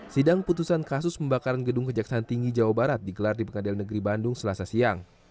sidang putusan kasus pembakaran gedung kejaksaan tinggi jawa barat digelar di pengadilan negeri bandung selasa siang